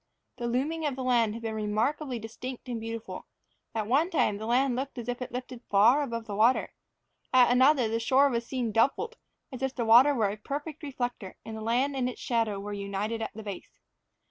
The looming of the land had been remarkably distinct and beautiful; at one time the land looked as if lifted far above the water; at another the shore was seen doubled, as if the water were a perfect reflector, and the land and its shadow were united at the base.